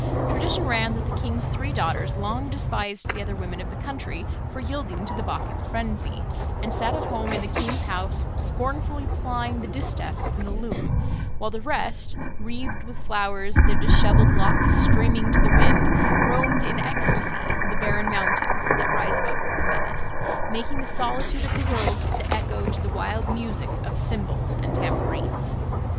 Tradition ran that the king's three daughters long despised the other women of the country for yielding to the Bacchic frenzy, and sat at home in the king's house scornfully plying the distaff and the loom, while the rest, wreathed with flowers, their dishevelled locks streaming to the wind, roamed in ecstasy the barren mountains that rise above Orchomenus, making the solitude of the hills to echo to the wild music of cymbals and tambourines.